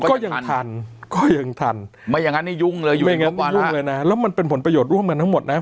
ก็ยังทันก็ยังทันไม่อย่างนั้นนี่ยุ่งเลยยุ่งงบยุ่งเลยนะแล้วมันเป็นผลประโยชน์ร่วมกันทั้งหมดนะ